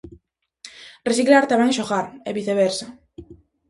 Reciclar tamén é xogar, e viceversa.